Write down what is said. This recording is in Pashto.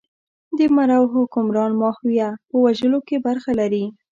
د مرو حکمران ماهویه په وژلو کې برخه لري.